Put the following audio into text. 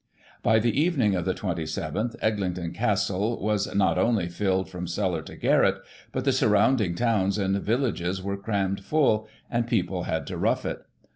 By the evening of the 27th, Eglinton Castle was not only filled from cellar to garret, but the surrounding towns and villages were crammed full, and people had to rough it.